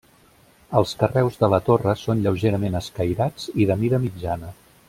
Els carreus de la torre són lleugerament escairats i de mida mitjana.